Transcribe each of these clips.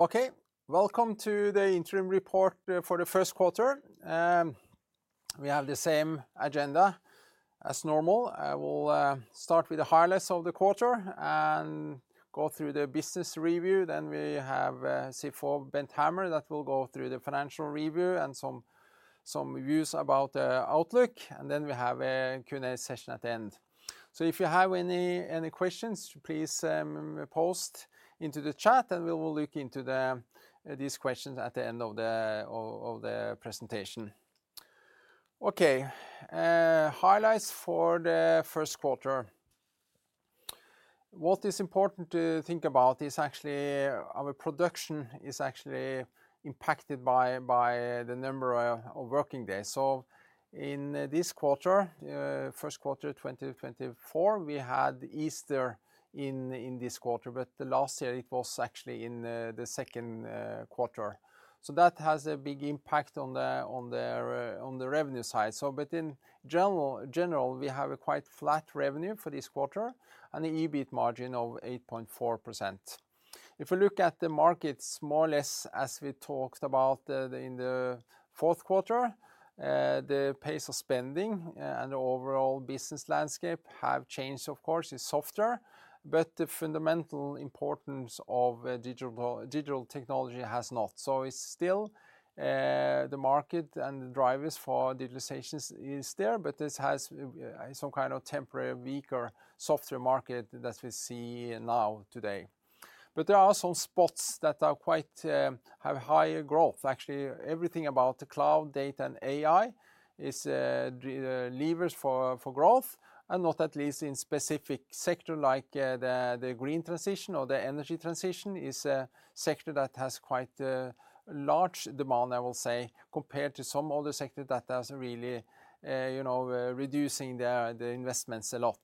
Okay, welcome to the interim report for the Q1. We have the same agenda as normal. I will start with the highlights of the quarter and go through the business review. Then we have CFO Bent Hammer that will go through the financial review and some views about outlook, and then we have a Q&A session at the end. So if you have any questions, please post into the chat and we will look into these questions at the end of the presentation. Okay, highlights for the Q1. What is important to think about is actually our production is actually impacted by the number of working days. So in this quarter, Q1 2024, we had Easter in this quarter, but last year it was actually in the Q2. So that has a big impact on the revenue side. But in general, we have a quite flat revenue for this quarter and an EBIT margin of 8.4%. If we look at the markets more or less as we talked about in the fourth quarter, the pace of spending and the overall business landscape have changed, of course. It's softer, but the fundamental importance of digital technology has not. So it's still the market and the drivers for digitalization is there, but this has some kind of temporary weaker software market that we see now today. But there are some spots that are quite have high growth. Actually, everything about the cloud, data, and AI is levers for growth, and not least in specific sectors like the green transition or the energy transition is a sector that has quite large demand, I will say, compared to some other sectors that are really, you know, reducing their investments a lot.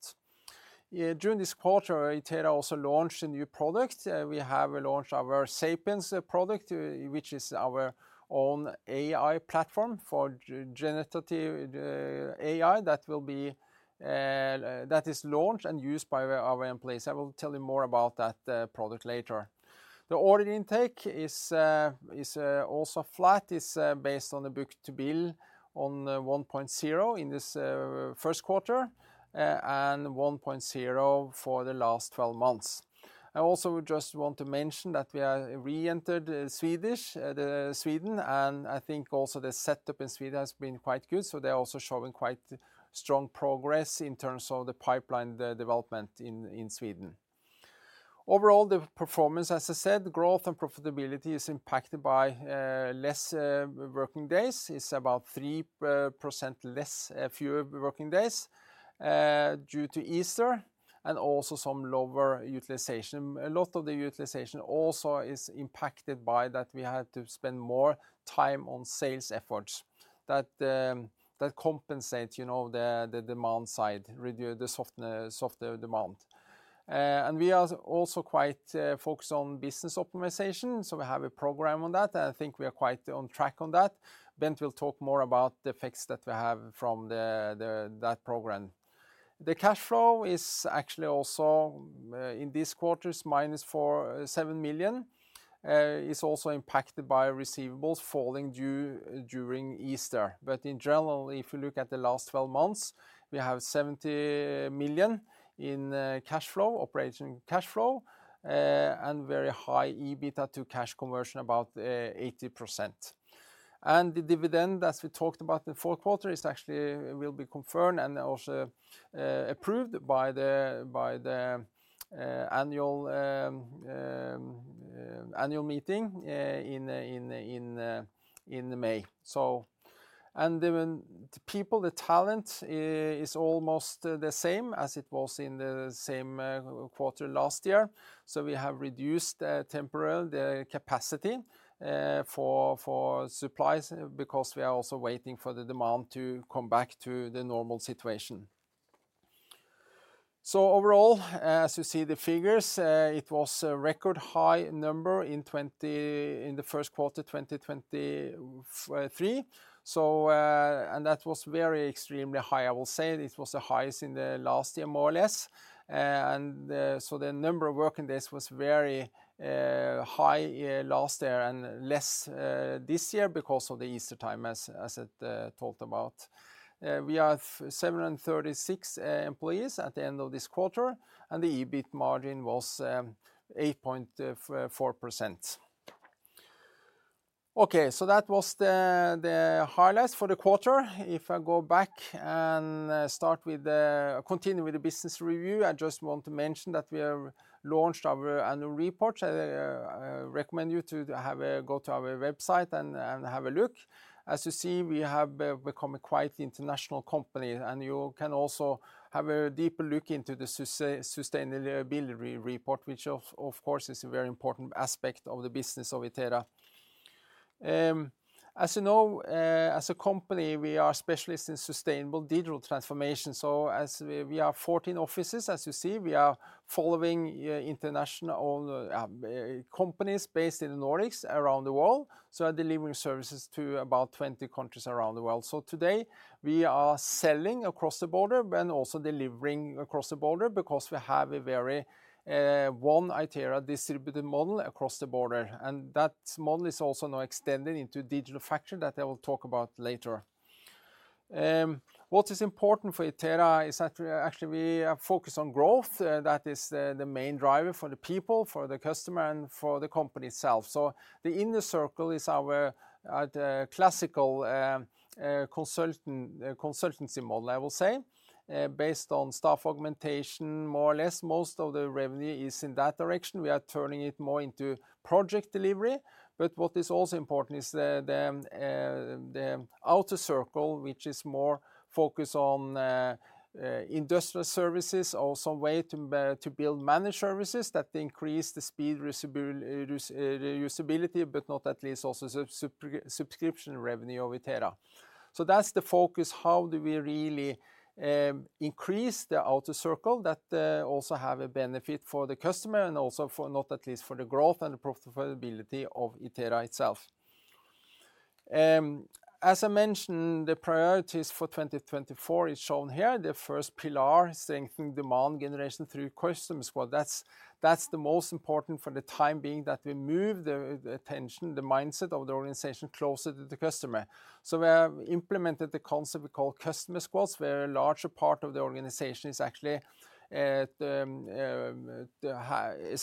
During this quarter, Itera also launched a new product. We have launched our Sapiens product, which is our own AI platform for generative AI that is launched and used by our employees. I will tell you more about that product later. The order intake is also flat. It's based on the book-to-bill on 1.0 in this Q1, and 1.0 for the last 12 months. I also just want to mention that we have re-enterred Sweden, and I think also the setup in Sweden has been quite good, so they're also showing quite strong progress in terms of the pipeline development in Sweden. Overall, the performance, as I said, growth and profitability is impacted by fewer working days. It's about 3% less, fewer working days, due to Easter and also some lower utilization. A lot of the utilization also is impacted by that we had to spend more time on sales efforts that compensate, you know, the demand side, the softer demand. We are also quite focused on business optimization, so we have a program on that, and I think we are quite on track on that. Bent will talk more about the effects that we have from that program. The cash flow is actually also in this quarter, it's minus NOK 47 million. It's also impacted by receivables falling due during Easter, but in general, if you look at the last 12 months, we have 70 million in cash flow, operating cash flow, and very high EBITDA to cash conversion, about 80%. And the dividend, as we talked about in the fourth quarter, is actually will be confirmed and also approved by the annual meeting in May. And the people, the talent, is almost the same as it was in the same quarter last year, so we have reduced temporarily the capacity for supplies because we are also waiting for the demand to come back to the normal situation. So overall, as you see the figures, it was a record high number in Q1 2023, so and that was very extremely high, I will say. It was the highest in the last year, more or less, and so the number of working days was very high last year and less this year because of the Easter time, as I talked about. We have 736 employees at the end of this quarter, and the EBIT margin was 8.4%. Okay, so that was the highlights for the quarter. If I go back and continue with the business review, I just want to mention that we have launched our annual report. I recommend you go to our website and have a look. As you see, we have become a quite international company, and you can also have a deeper look into the sustainability report, which, of course, is a very important aspect of the business of Itera. As you know, as a company, we are specialists in sustainable digital transformation, so as we are 14 offices, as you see, we are following international companies based in the Nordics around the world, so we are delivering services to about 20 countries around the world. So today, we are selling across the border but also delivering across the border because we have a very, one Itera distributed model across the border, and that model is also now extended into Digital Factory that I will talk about later. What is important for Itera is that actually we are focused on growth. That is the main driver for the people, for the customer, and for the company itself. So the inner circle is our classical, consultancy model, I will say, based on staff augmentation, more or less. Most of the revenue is in that direction. We are turning it more into project delivery, but what is also important is the outer circle, which is more focused on, industrial services, also a way to build managed services that increase the speed usability but not least also subscription revenue of Itera. So that's the focus. How do we really increase the outer circle that also have a benefit for the customer and also for not least for the growth and the profitability of Itera itself? As I mentioned, the priorities for 2024 is shown here. The first pillar is strengthening demand generation through customer squads. That's, that's the most important for the time being that we move the attention, the mindset of the organization closer to the customer. So we have implemented the concept we call customer squads, where a larger part of the organization is actually, is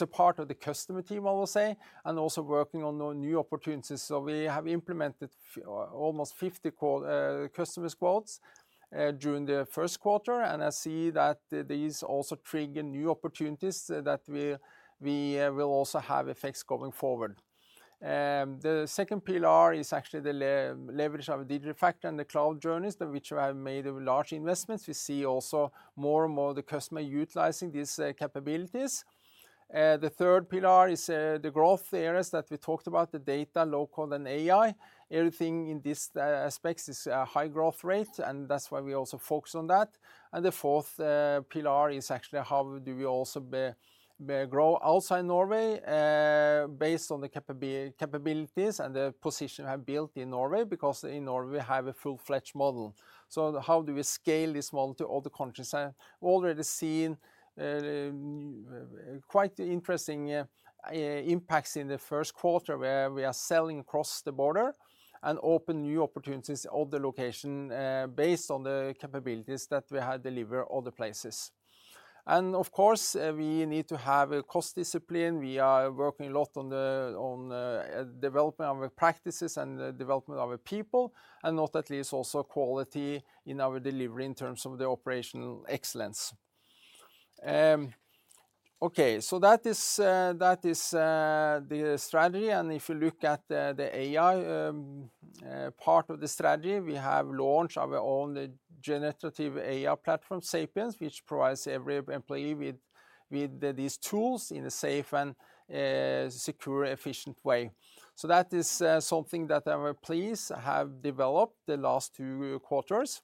a part of the customer team, I will say, and also working on new opportunities. So we have implemented almost 50 customer squads, during the Q1, and I see that these also trigger new opportunities that we, we will also have effects going forward. The second pillar is actually the leverage of a Digital Factory and the cloud journeys, which have made large investments. We see also more and more of the customer utilizing these capabilities. The third pillar is the growth areas that we talked about, the data, local, and AI. Everything in these aspects is a high growth rate, and that's why we also focus on that. The fourth pillar is actually how do we also grow outside Norway, based on the capabilities and the position we have built in Norway because in Norway we have a full-fledged model. So how do we scale this model to other countries? I've already seen quite interesting impacts in the Q1 where we are selling across the border and open new opportunities in other locations, based on the capabilities that we have delivered in other places. And of course, we need to have a cost discipline. We are working a lot on the development of our practices and the development of our people and not least also quality in our delivery in terms of the operational excellence. Okay, so that is the strategy. If you look at the AI part of the strategy, we have launched our own generative AI platform, Sapiens, which provides every employee with these tools in a safe and secure, efficient way. So that is something that I'm pleased to have developed the last two quarters.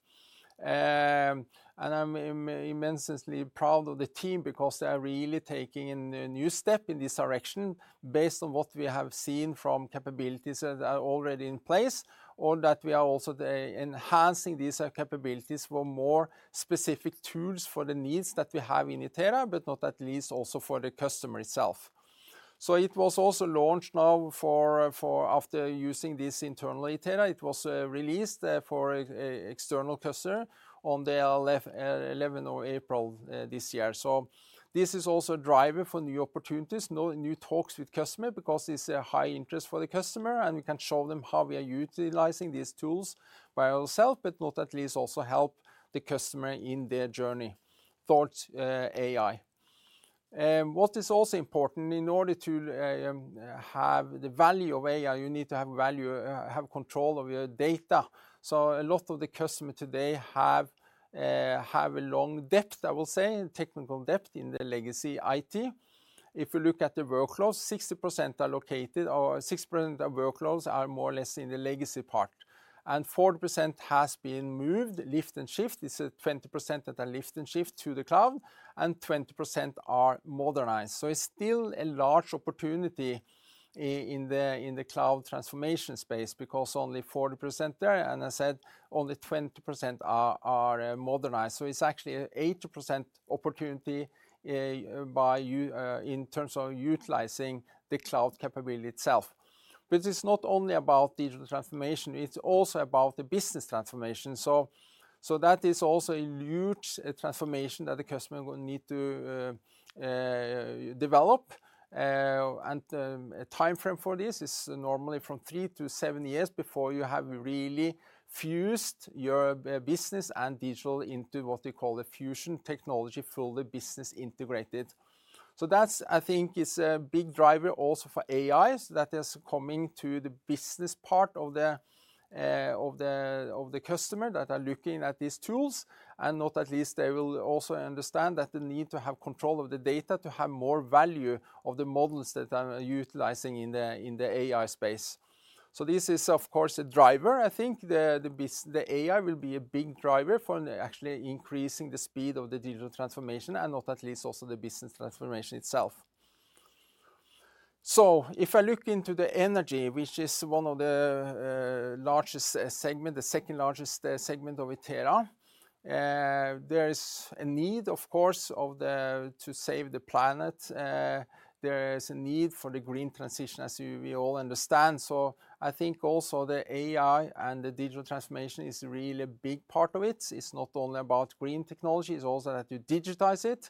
And I'm immensely proud of the team because they are really taking a new step in this direction based on what we have seen from capabilities that are already in place or that we are also enhancing these capabilities for more specific tools for the needs that we have in Itera but not least also for the customer itself. So it was also launched now for after using this internally, Itera. It was released for an external customer on the 11th of April this year. So this is also a driver for new opportunities, new talks with customers because it's a high interest for the customer, and we can show them how we are utilizing these tools by ourselves but not at least also help the customer in their journey towards AI. What is also important in order to have the value of AI, you need to have value, have control of your data. So a lot of the customers today have, have a long depth, I will say, technical depth in the legacy IT. If you look at the workloads, 60% are located or 60% of workloads are more or less in the legacy part, and 40% has been moved, lift and shift. It's a 20% that are lift and shift to the cloud, and 20% are modernized. So it's still a large opportunity in the cloud transformation space because only 40% there, and I said only 20% are modernized. So it's actually an 80% opportunity by you in terms of utilizing the cloud capability itself. But it's not only about digital transformation. It's also about the business transformation. So that is also a huge transformation that the customer will need to develop, and a timeframe for this is normally from three to seven years before you have really fused your business and digital into what we call a fusion technology, fully business integrated. So that's, I think, a big driver also for AI that is coming to the business part of the customer that are looking at these tools, and not least they will also understand that they need to have control of the data to have more value of the models that are utilizing in the AI space. So this is, of course, a driver, I think. The AI will be a big driver for actually increasing the speed of the digital transformation and not least also the business transformation itself. So if I look into the energy, which is one of the largest segments, the second largest segment of Itera, there is a need, of course, to save the planet. There is a need for the green transition, as we all understand. So I think also the AI and the digital transformation is really a big part of it. It's not only about green technology. It's also that you digitize it.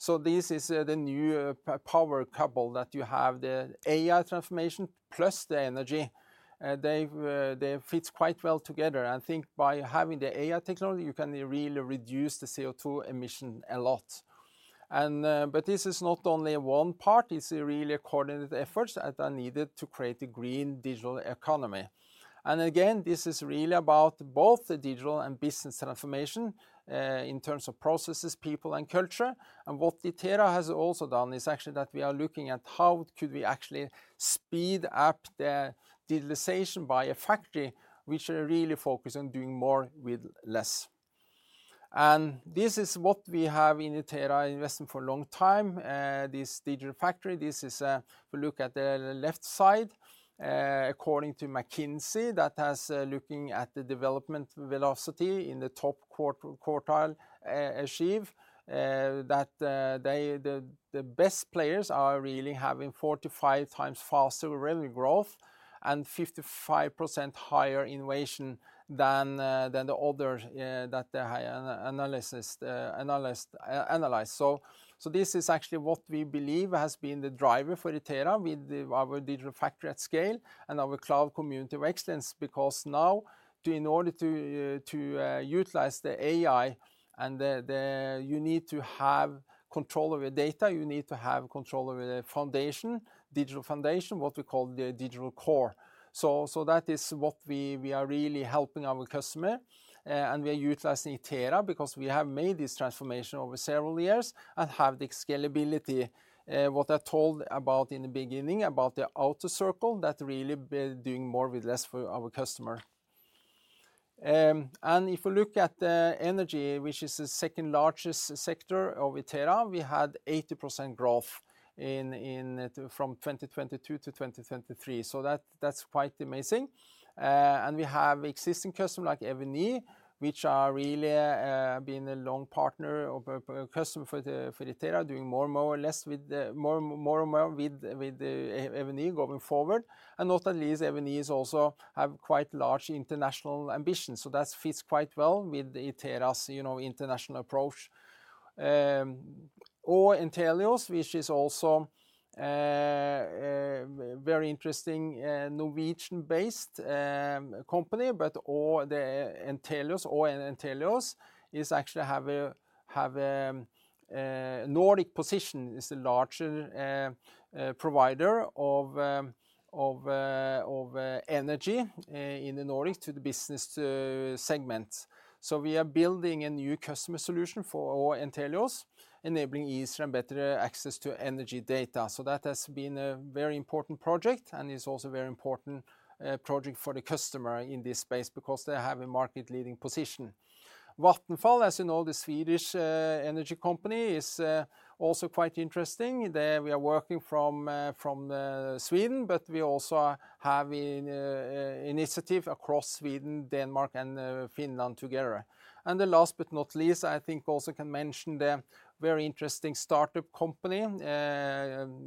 So this is the new power couple that you have, the AI transformation plus the energy. They, they fit quite well together. I think by having the AI technology, you can really reduce the CO2 emission a lot. And, but this is not only one part. It's really coordinated efforts that are needed to create a green digital economy. And again, this is really about both the digital and business transformation, in terms of processes, people, and culture. And what Itera has also done is actually that we are looking at how could we actually speed up the digitalization by a factory which are really focused on doing more with less. This is what we have in Itera invested for a long time, this Digital Factory. This is, if we look at the left side, according to McKinsey that has looking at the development velocity in the top quartile achieve that they the best players are really having 45 times faster revenue growth and 55% higher innovation than the other that the analysts analyzed. So this is actually what we believe has been the driver for Itera with our Digital Factory at scale and our Cloud Center of Excellence because now in order to utilize the AI and the you need to have control of your data. You need to have control of your foundation, digital foundation, what we call the digital core. So that is what we are really helping our customer, and we are utilizing Itera because we have made this transformation over several years and have the scalability, what I told about in the beginning about the outer circle that really doing more with less for our customer. And if we look at the energy, which is the second largest sector of Itera, we had 80% growth in from 2022 to 2023. So that, that's quite amazing. And we have existing customers like Eviny, which are really being a long partner or customer for Itera, doing more and more or less with, more, more and more with Eviny going forward and not at least Eviny is also have quite large international ambitions. So that fits quite well with Itera's, you know, international approach. For Entelios, which is also very interesting, Norwegian-based company, but Entelios actually has a Nordic position. It is a larger provider of energy in the Nordics to the business segment. So we are building a new customer solution for Entelios, enabling easier and better access to energy data. So that has been a very important project and is also a very important project for the customer in this space because they have a market-leading position. Vattenfall, as you know, the Swedish energy company, is also quite interesting. We are working from Sweden but we also have an initiative across Sweden, Denmark, and Finland together. The last but not least, I think also can mention the very interesting startup company,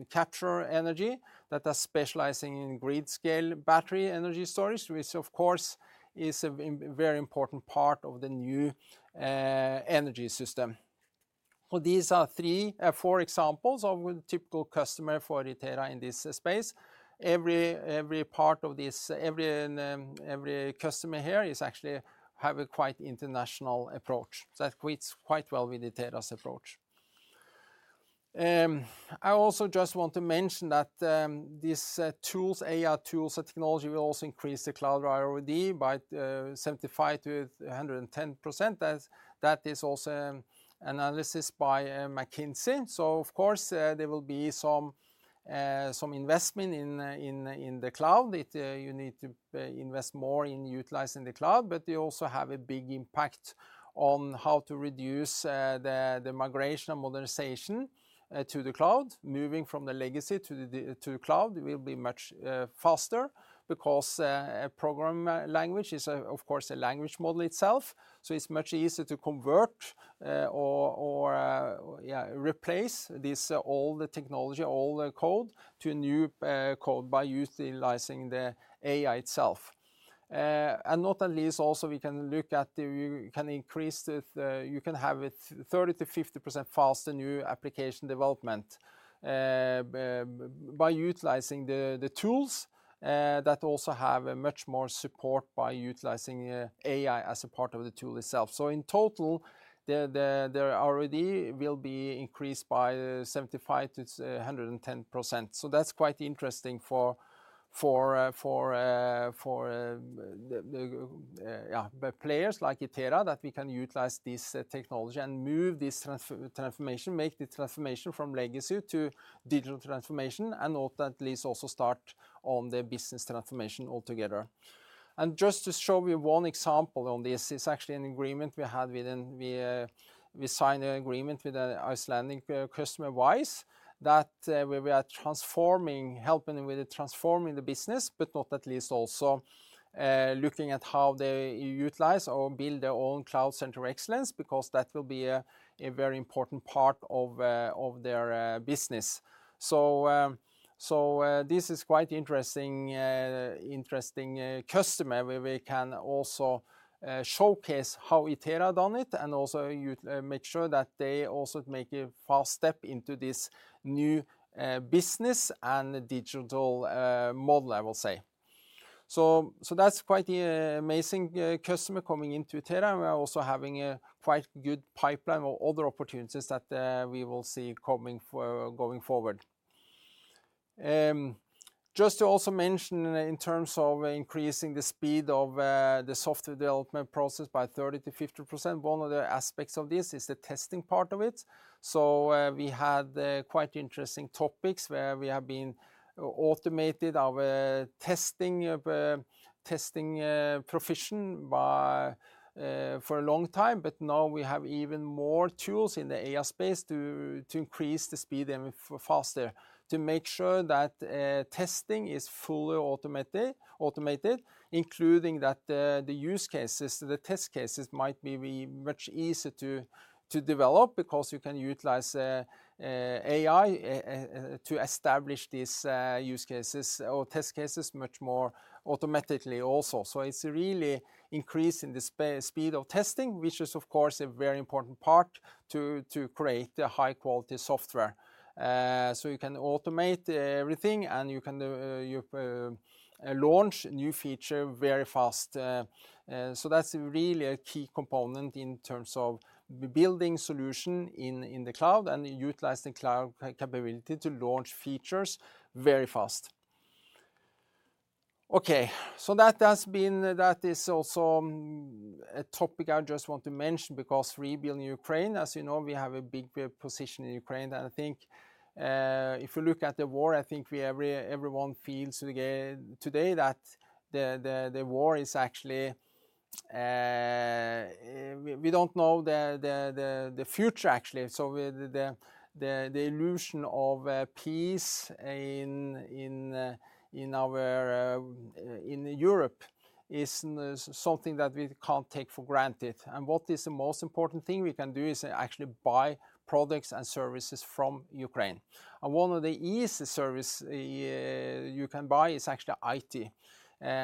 Capture Energy, that are specializing in grid-scale battery energy storage, which, of course, is a very important part of the new energy system. So these are three or four examples of typical customers for Itera in this space. Every part of this, every customer here is actually have a quite international approach. So that fits quite well with Itera's approach. I also just want to mention that these tools, AI tools and technology will also increase the cloud ROI by 75% to 110%. That is also an analysis by McKinsey. So, of course, there will be some investment in the cloud. You need to invest more in utilizing the cloud but you also have a big impact on how to reduce the migration and modernization to the cloud. Moving from the legacy to the cloud will be much faster because a program language is, of course, a language model itself. So it's much easier to convert or replace this old technology, old code to new code by utilizing the AI itself. And not least also we can look at you can have it 30% to 50% faster new application development by utilizing the tools that also have much more support by utilizing AI as a part of the tool itself. So in total, the ROE will be increased by 75% to 110%. So that's quite interesting for the players like Itera that we can utilize this technology and move this transformation, make the transformation from legacy to digital transformation and not least also start on the business transformation altogether. Just to show you one example on this, it's actually an agreement we signed with an Icelandic customer, Wise, where we are helping with transforming the business but not least also looking at how they utilize or build their own cloud center of excellence because that will be a very important part of their business. So, this is quite an interesting customer where we can also showcase how Itera has done it and also make sure that they also make a fast step into this new business and digital model, I will say. So, that's quite an amazing customer coming into Itera and we are also having quite a good pipeline of other opportunities that we will see coming going forward. Just to also mention in terms of increasing the speed of the software development process by 30% to 50%, one of the aspects of this is the testing part of it. So, we had quite interesting topics where we have been automated our testing, provision by, for a long time but now we have even more tools in the AI space to increase the speed even faster to make sure that testing is fully automated, including that the use cases, the test cases might be much easier to develop because you can utilize AI to establish these use cases or test cases much more automatically also. So it's really increasing the speed of testing, which is, of course, a very important part to create the high-quality software. So you can automate everything and you can launch new feature very fast. So that's really a key component in terms of building solution in the cloud and utilizing cloud capability to launch features very fast. Okay. So that is also a topic I just want to mention because rebuilding Ukraine, as you know, we have a big position in Ukraine and I think, if you look at the war, I think everyone feels today that the war is actually, we don't know the future actually. So the illusion of peace in Europe is something that we can't take for granted. And what is the most important thing we can do is actually buy products and services from Ukraine. And one of the easiest services you can buy is actually IT.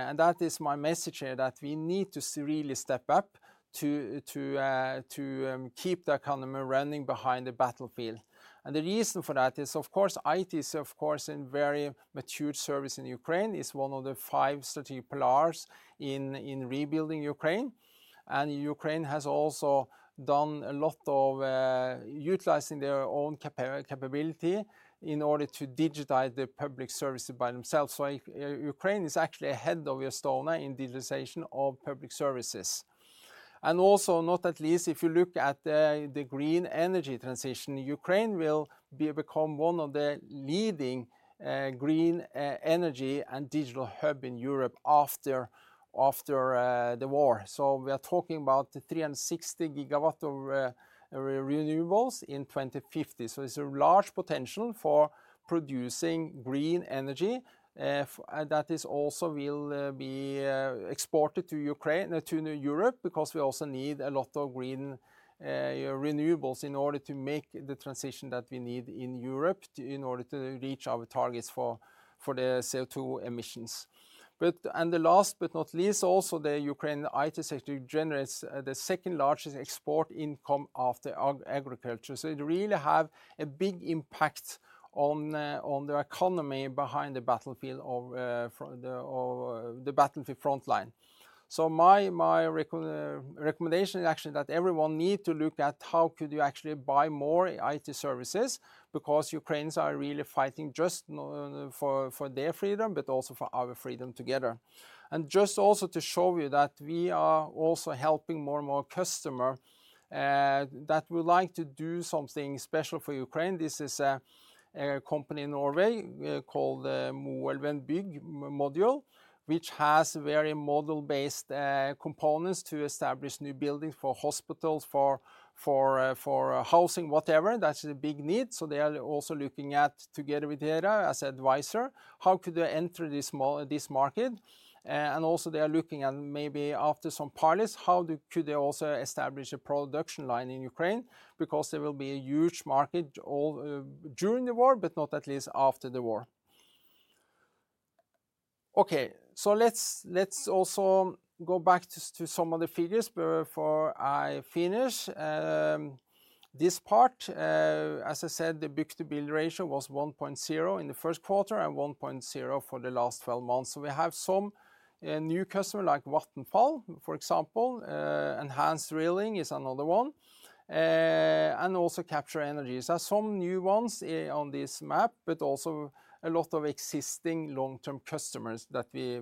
and that is my message here that we need to really step up to keep the economy running behind the battlefield. And the reason for that is, of course, IT is, of course, a very mature service in Ukraine. It's one of the five strategic pillars in rebuilding Ukraine. And Ukraine has also done a lot of utilizing their own capability in order to digitize the public services by themselves. So Ukraine is actually ahead of Estonia in digitalization of public services. And also, not at least, if you look at the green energy transition, Ukraine will become one of the leading green energy and digital hub in Europe after the war. So we are talking about 360 GW of renewables in 2050. So it's a large potential for producing green energy, that is also will be exported to Ukraine, to New Europe because we also need a lot of green renewables in order to make the transition that we need in Europe in order to reach our targets for the CO2 emissions. But, last but not least, also, the Ukraine IT sector generates the second largest export income after agriculture. So it really has a big impact on the economy behind the battlefield, from the battlefield frontline. So my recommendation is actually that everyone needs to look at how could you actually buy more IT services because Ukrainians are really fighting just for their freedom but also for our freedom together. Just also to show you that we are also helping more and more customers that would like to do something special for Ukraine. This is a company in Norway called Moelven Byggmodule, which has very model-based components to establish new buildings for hospitals, for housing, whatever. That's a big need. So they are also looking at together with Itera as an advisor, how could they enter this small market. And also, they are looking at maybe after some pilots, how could they also establish a production line in Ukraine because there will be a huge market all during the war but not least after the war. Okay. So let's also go back to some of the figures before I finish. This part, as I said, the book-to-bill ratio was 1.0 in the Q1 and 1.0 for the last 12 months. So we have some new customers like Vattenfall, for example. Enhanced Drilling is another one, and also Capture Energy. There are some new ones on this map but also a lot of existing long-term customers that we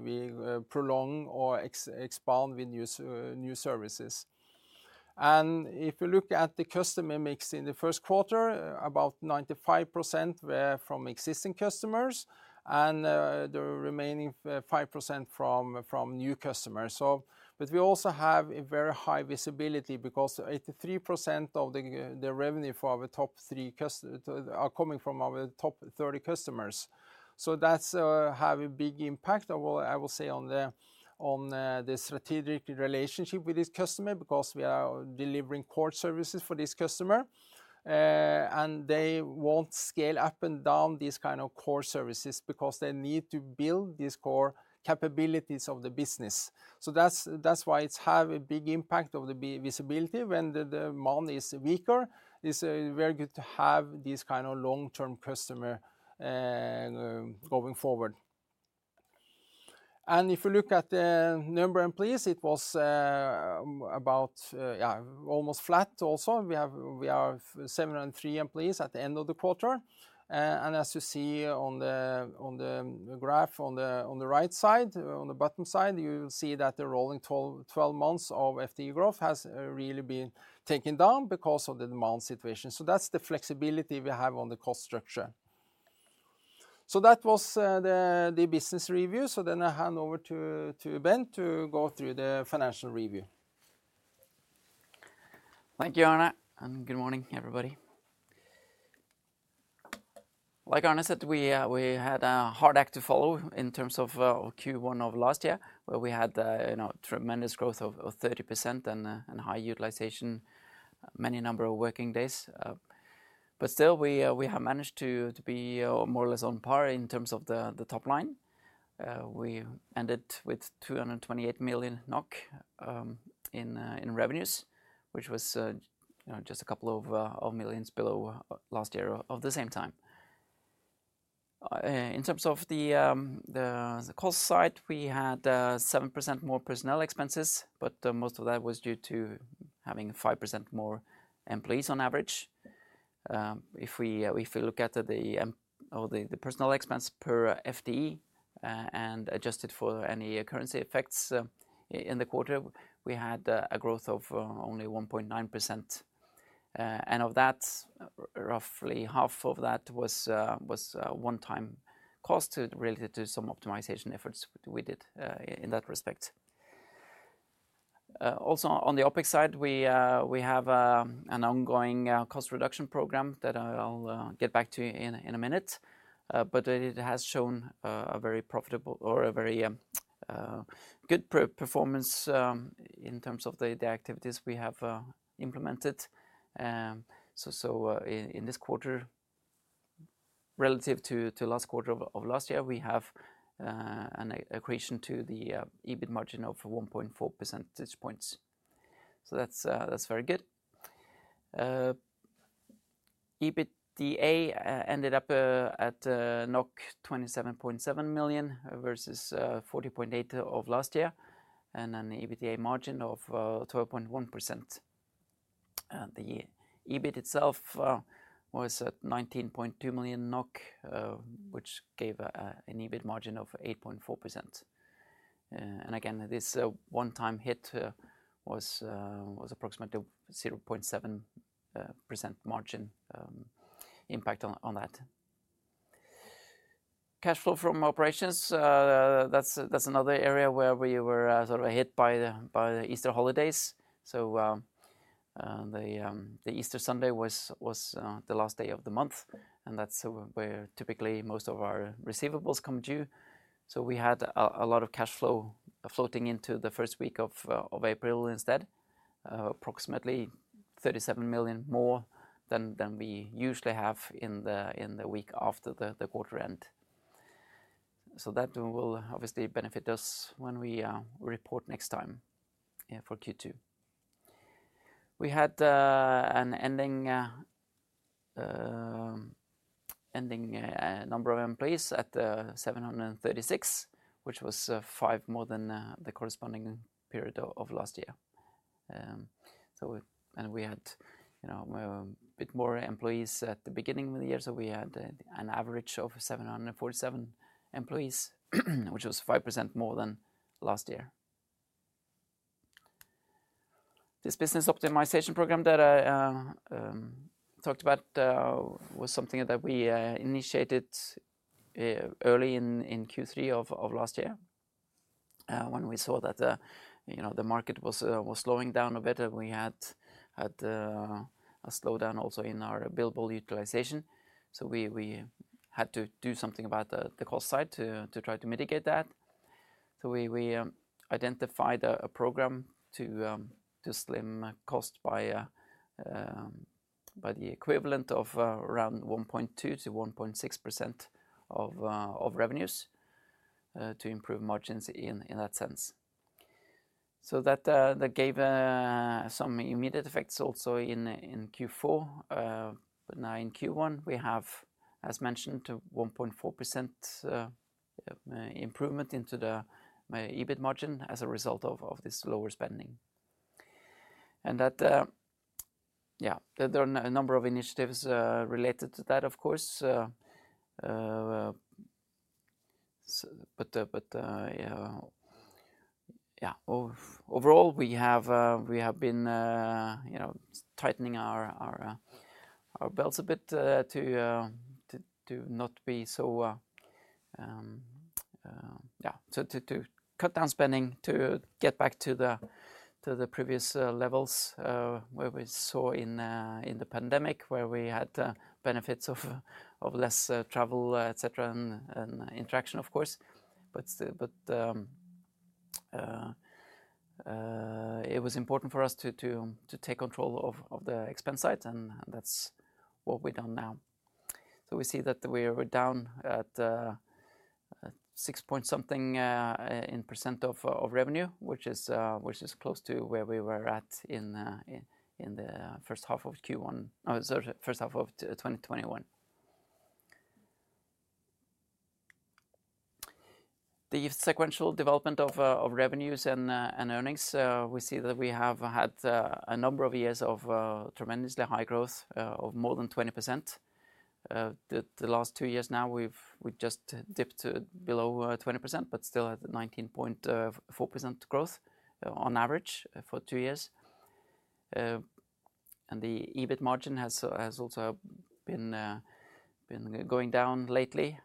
prolong or expand with new services. And if you look at the customer mix in the Q1, about 95% were from existing customers and the remaining 5% from new customers. So but we also have a very high visibility because 83% of the revenue for our top three customers are coming from our top 30 customers. So that has a big impact, I will say, on the strategic relationship with this customer because we are delivering core services for this customer. They won't scale up and down these kind of core services because they need to build these core capabilities of the business. So that's, that's why it's have a big impact of the visibility. When the money is weaker, it's very good to have these kind of long-term customers, going forward. And if you look at the number of employees, it was, about, yeah, almost flat also. We are 703 employees at the end of the quarter. And as you see on the right side, on the bottom side, you will see that the rolling 12 months of FTE growth has really been taken down because of the demand situation. So that's the business review. So then I hand over to Bent to go through the financial review. Thank you, Arne. And good morning, everybody. Like Arne said, we had a hard act to follow in terms of Q1 of last year where we had, you know, tremendous growth of 30% and high utilization, many number of working days. But still, we have managed to be more or less on par in terms of the top line. We ended with 228 million NOK in revenues, which was just a couple of million NOK below last year of the same time. In terms of the cost side, we had 7% more personnel expenses but most of that was due to having 5% more employees on average. If we look at the personnel expense per FTE and adjust it for any currency effects in the quarter, we had a growth of only 1.9%. Of that, roughly half of that was one-time cost related to some optimization efforts we did in that respect. Also, on the OPEX side, we have an ongoing cost reduction program that I'll get back to in a minute. But it has shown a very profitable or a very good performance in terms of the activities we have implemented. So in this quarter, relative to last quarter of last year, we have an accretion to the EBIT margin of 1.4 percentage points. So that's very good. EBITDA ended up at 27.7 million versus 40.8 million of last year and an EBITDA margin of 12.1%. The EBIT itself was at 19.2 million NOK, which gave an EBIT margin of 8.4%. And again, this one-time hit was approximately 0.7% margin impact on that. Cash flow from operations, that's another area where we were sort of hit by the Easter holidays. So the Easter Sunday was the last day of the month and that's where typically most of our receivables come due. So we had a lot of cash flow floating into the first week of April instead, approximately 37 million more than we usually have in the week after the quarter end. So that will obviously benefit us when we report next time for Q2. We had an ending number of employees at 736, which was five more than the corresponding period of last year. And we had a bit more employees at the beginning of the year. So we had an average of 747 employees, which was 5% more than last year. This business optimization program that I talked about was something that we initiated early in Q3 of last year when we saw that the market was slowing down a bit and we had a slowdown also in our billable utilization. So we had to do something about the cost side to try to mitigate that. So we identified a program to slim cost by the equivalent of around 1.2% to 1.6% of revenues to improve margins in that sense. So that gave some immediate effects also in Q4. Now in Q1, we have, as mentioned, 1.4% improvement into the EBIT margin as a result of this lower spending. And that yeah, there are a number of initiatives related to that, of course. But yeah, overall, we have been tightening our belts a bit to not be so yeah, to cut down spending, to get back to the previous levels where we saw in the pandemic, where we had benefits of less travel, etc., and interaction, of course. But it was important for us to take control of the expense side and that's what we've done now. So we see that we're down at six-point something percent of revenue, which is close to where we were at in the H1 of Q1, sorry, H1 of 2021. The sequential development of revenues and earnings, we see that we have had a number of years of tremendously high growth of more than 20%. The last two years now, we've just dipped below 20% but still at 19.4% growth on average for two years. And the EBIT margin has also been going down lately,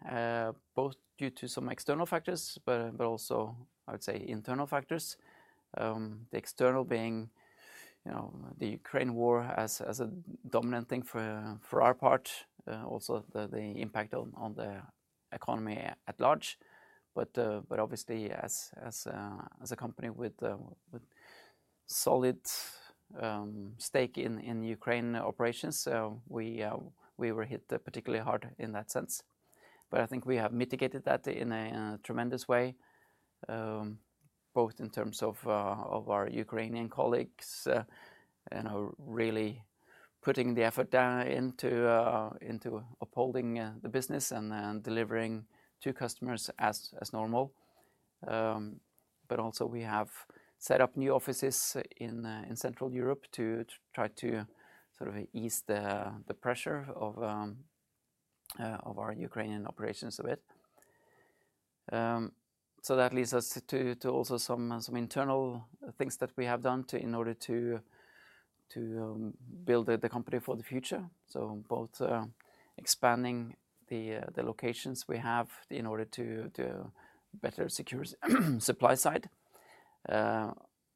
both due to some external factors but also, I would say, internal factors. The external being the Ukraine war as a dominant thing for our part, also the impact on the economy at large. But obviously, as a company with a solid stake in Ukraine operations, we were hit particularly hard in that sense. But I think we have mitigated that in a tremendous way, both in terms of our Ukrainian colleagues and really putting the effort down into upholding the business and delivering to customers as normal. But also, we have set up new offices in central Europe to try to sort of ease the pressure of our Ukrainian operations a bit. So that leads us to also some internal things that we have done in order to build the company for the future. So both expanding the locations we have in order to better secure supply side.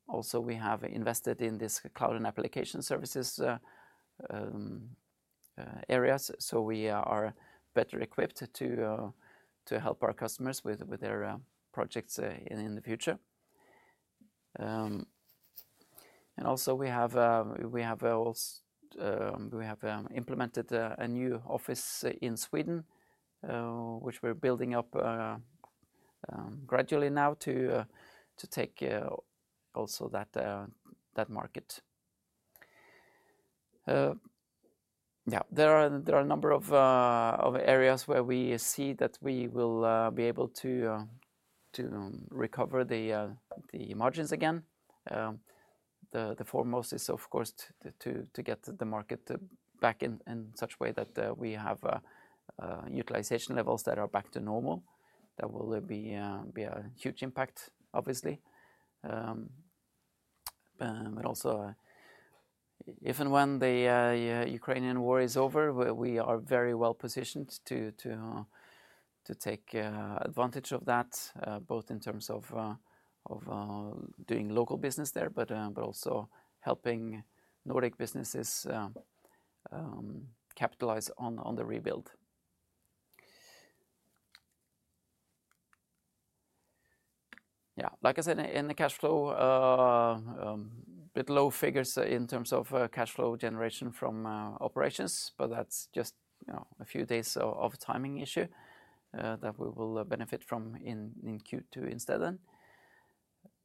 Also, we have invested in this cloud and application services areas. So we are better equipped to help our customers with their projects in the future. And also, we have also implemented a new office in Sweden, which we're building up gradually now to take also that market. Yeah, there are a number of areas where we see that we will be able to recover the margins again. The foremost is, of course, to get the market back in such a way that we have utilization levels that are back to normal. That will be a huge impact, obviously. But also, if and when the Ukrainian war is over, we are very well positioned to take advantage of that, both in terms of doing local business there but also helping Nordic businesses capitalize on the rebuild. Yeah, like I said, in the cash flow, a bit low figures in terms of cash flow generation from operations. But that's just a few days of timing issue that we will benefit from in Q2 instead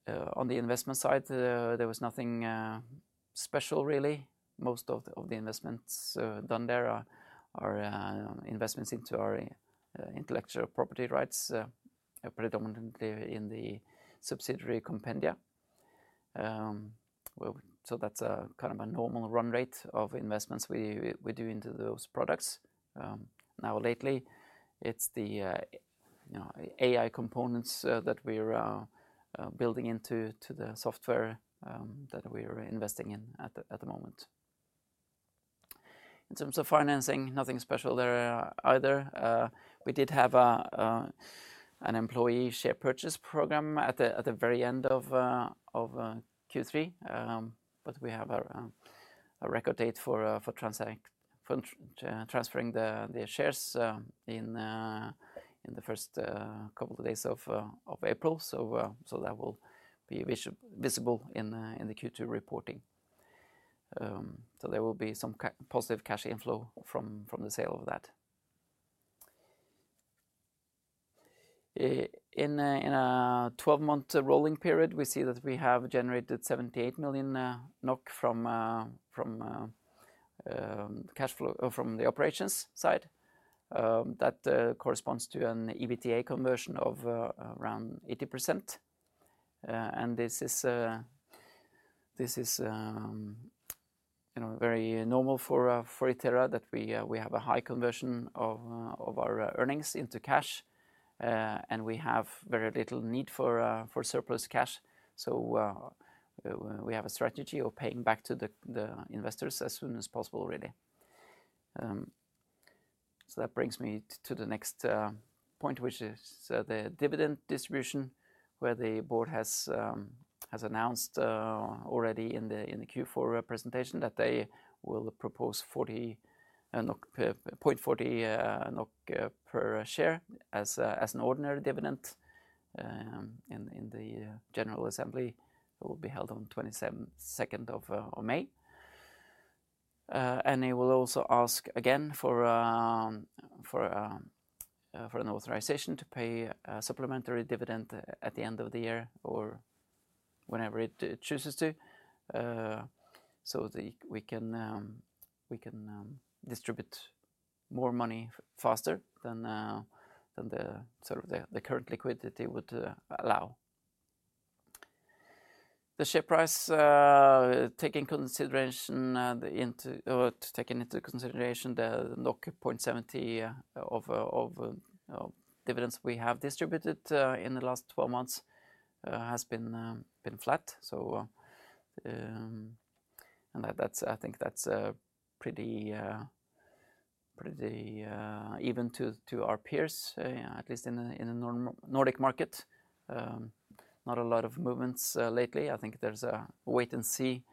then. On the investment side, there was nothing special, really. Most of the investments done there are investments into our intellectual property rights, predominantly in the subsidiary Compendia. So that's kind of a normal run rate of investments we do into those products. Now lately, it's the AI components that we're building into the software that we're investing in at the moment. In terms of financing, nothing special there either. We did have an employee share purchase program at the very end of Q3. But we have a record date for transferring the shares in the first couple of days of April. So that will be visible in the Q2 reporting. So there will be some positive cash inflow from the sale of that. In a 12-month rolling period, we see that we have generated 78 million NOK from the operations side. That corresponds to an EBITDA conversion of around 80%. And this is very normal for Itera that we have a high conversion of our earnings into cash. And we have very little need for surplus cash. So we have a strategy of paying back to the investors as soon as possible, really. So that brings me to the next point, which is the dividend distribution where the board has announced already in the Q4 presentation that they will propose 0.40 NOK per share as an ordinary dividend in the general assembly that will be held on the 22nd of May. And they will also ask again for an authorization to pay a supplementary dividend at the end of the year or whenever it chooses to so that we can distribute more money faster than sort of the current liquidity would allow. The share price, taking into consideration the 0.70 of dividends we have distributed in the last 12 months, has been flat. And I think that's pretty even to our peers, at least in the Nordic market. Not a lot of movements lately. I think there's a wait-and-see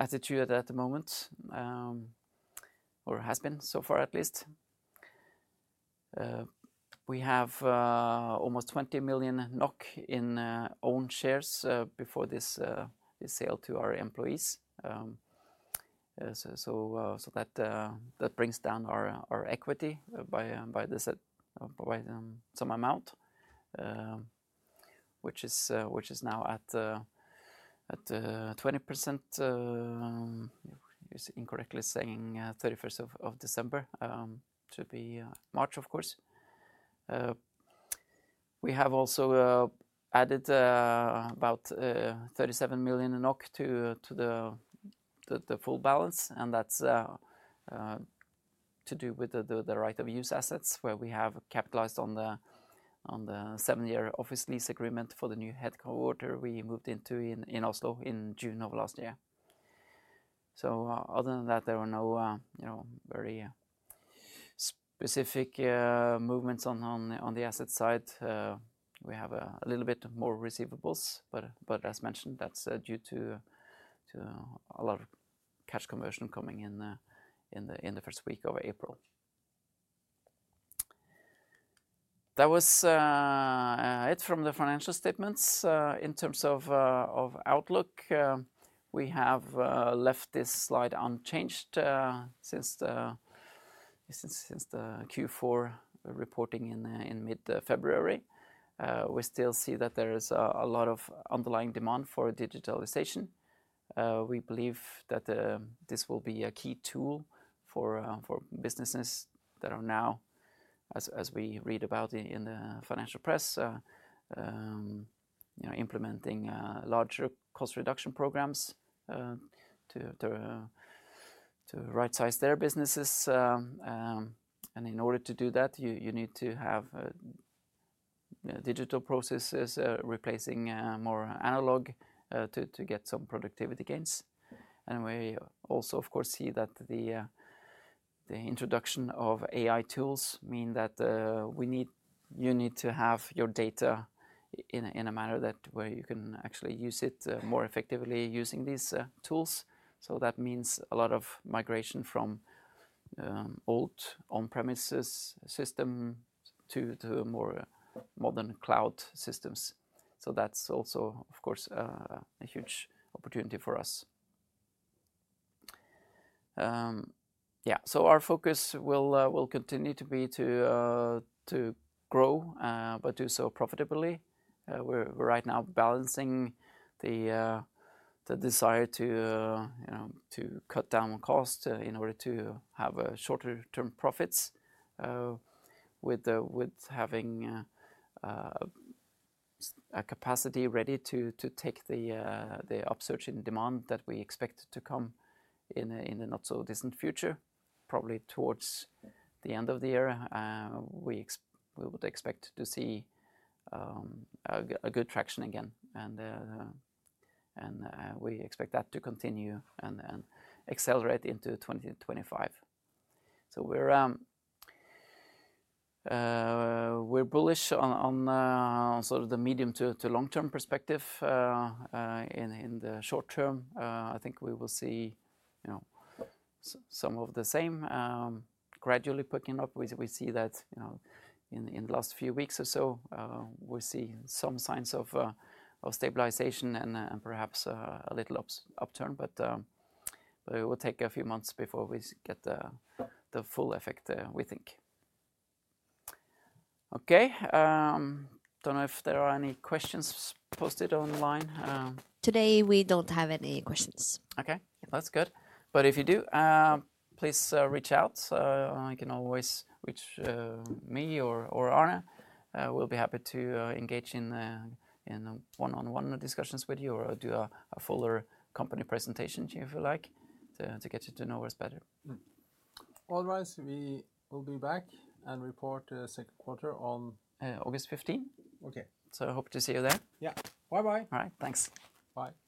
attitude at the moment or has been so far, at least. We have almost 20 million NOK in owned shares before this sale to our employees. So that brings down our equity by some amount, which is now at 20%. He's incorrectly saying 31st of December to be March, of course. We have also added about 37 million to the full balance. That's to do with the right of use assets where we have capitalized on the seven-year office lease agreement for the new headquarters we moved into in Oslo in June of last year. Other than that, there were no very specific movements on the asset side. We have a little bit more receivables. As mentioned, that's due to a lot of cash conversion coming in the first week of April. That was it from the financial statements. In terms of outlook, we have left this slide unchanged since the Q4 reporting in mid-February. We still see that there is a lot of underlying demand for digitalization. We believe that this will be a key tool for businesses that are now, as we read about in the financial press, implementing larger cost reduction programs to right-size their businesses. And in order to do that, you need to have digital processes replacing more analog to get some productivity gains. And we also, of course, see that the introduction of AI tools mean that you need to have your data in a manner where you can actually use it more effectively using these tools. So that means a lot of migration from old on-premises systems to more modern cloud systems. So that's also, of course, a huge opportunity for us. Yeah, so our focus will continue to be to grow but do so profitably. We're right now balancing the desire to cut down cost in order to have shorter-term profits with having a capacity ready to take the upsurge in demand that we expect to come in the not-so-distant future, probably towards the end of the year. We would expect to see a good traction again. We expect that to continue and accelerate into 2025. We're bullish on sort of the medium to long-term perspective. In the short term, I think we will see some of the same gradually picking up. We see that in the last few weeks or so, we see some signs of stabilization and perhaps a little upturn. It will take a few months before we get the full effect, we think. Okay. I don't know if there are any questions posted online. Today, we don't have any questions. Okay. That's good. But if you do, please reach out. You can always reach me or Arne. We'll be happy to engage in one-on-one discussions with you or do a fuller company presentation if you like to get you to know us better. Otherwise, we will be back and report the Q2 on 15 August. So I hope to see you there. Yeah. Bye-bye. All right. Thanks. Bye.